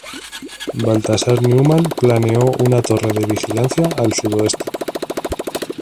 Balthasar Neumann planeó una torre de vigilancia al sudoeste.